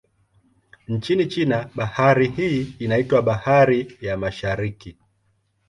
Nchini China, bahari hii inaitwa Bahari ya Mashariki.